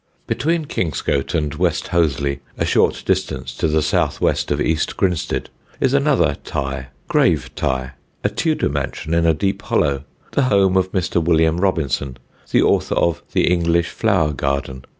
Between Kingscote and West Hoathly, a short distance to the south west of East Grinstead, is another "tye" Gravetye, a tudor mansion in a deep hollow, the home of Mr. William Robinson, the author of The English Flower Garden.